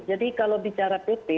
jadi kalau bicara pp